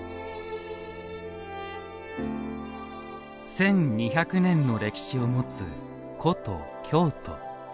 １２００年の歴史を持つ古都・京都。